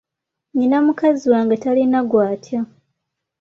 Nnina mukazi wange talina gw'atya.